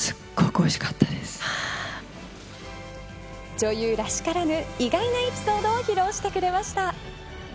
女優らしからぬ意外なエピソードを披露してくれました。